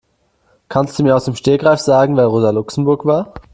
Kannst du mir aus dem Stegreif sagen, wer Rosa Luxemburg war?